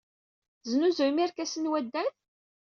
Tesnuzuyem irkasen n waddal?